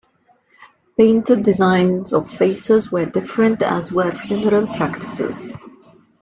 Painted designs on faces were different, as were funeral practices.